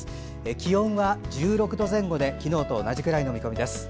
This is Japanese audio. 気温は１６度前後で昨日と同じぐらいの見込みです。